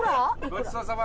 ごちそうさま！